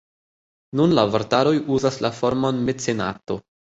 Nun la vortaroj uzas la formon mecenato.